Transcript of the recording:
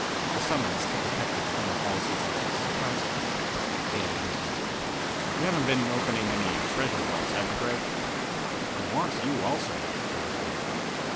The summons to Detective Colonel Halsey's office surprised us. Dean eyed me. "You haven't been opening any treasure vaults, have you, Gregg?" "He wants you, also," I retorted.